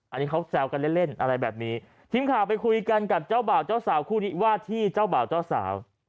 อันนี้เขาแซวกันเล่นเล่นอะไรแบบนี้ทีมข่าวไปคุยกันกับเจ้าบ่าวเจ้าสาวคู่นี้ว่าที่เจ้าบ่าวเจ้าสาว